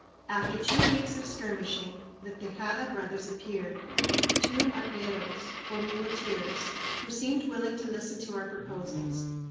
After two weeks of skirmishing, the Tejada brothers appeared, two arrieros, or muleteers, who seemed willing to listen to our proposals.